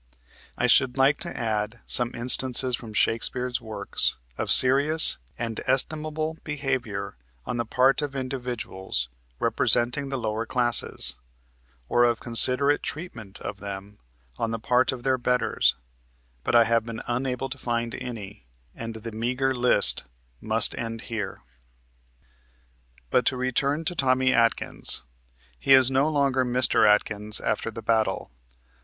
I should like to add some instances from Shakespeare's works of serious and estimable behavior on the part of individuals representing the lower classes, or of considerate treatment of them on the part of their "betters," but I have been unable to find any, and the meager list must end here. But to return to Tommy Atkins. He is no longer Mr. Atkins after the battle.